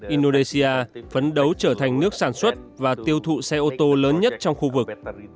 indonesia phấn đấu trở thành nước sản xuất và tiêu thụ xe ô tô lớn nhất trong khu vực